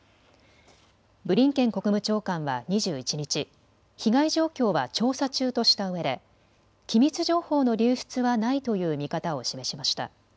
ブリンケン国務長官は２１日、被害状況は調査中としたうえで機密情報の流出はないという見方を示しました。